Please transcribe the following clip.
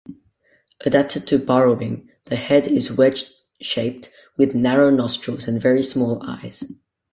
Adapted to burrowing, the head is wedge-shaped with narrow nostrils and very small eyes.